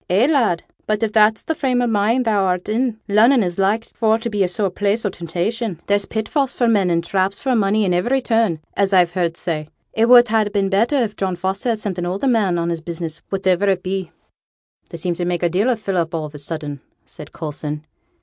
Eh, lad? but if that's the frame o' mind thou'rt in, Lunnon is like for to be a sore place o' temptation. There's pitfalls for men, and traps for money at ivery turn, as I've heerd say. It would ha' been better if John Foster had sent an older man on his business, whativer it be.' 'They seem to make a deal o' Philip all on a sudden,' said Coulson.